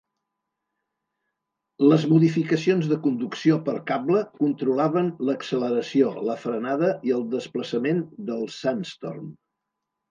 Les modificacions de conducció per cable controlaven l"acceleració, la frenada i el desplaçament del Sandstorm.